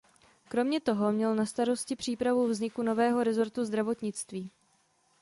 Kromě toho měl na starosti přípravu vzniku nového rezortu zdravotnictví.